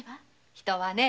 人はね